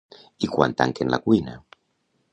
I quan tanquen la cuina?